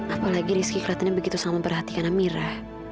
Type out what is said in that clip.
apalagi rizky keliatannya begitu sama memperhatikan amira